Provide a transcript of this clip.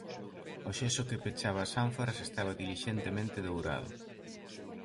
O xeso que pechaba as ánforas estaba dilixentemente dourado.